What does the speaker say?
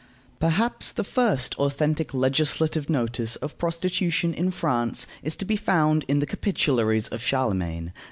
Perhaps the first authentic legislative notice of prostitution in France is to be found in the Capitularies of Charlemagne.